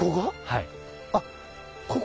はい。